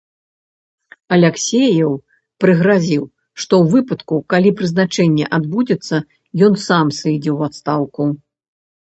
Аляксееў прыгразіў, што ў выпадку, калі прызначэнне адбудзецца, ён сам сыдзе ў адстаўку.